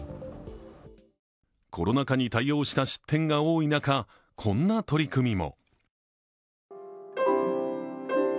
コロナ禍に対応した出展が多い中、こんな取り組みも。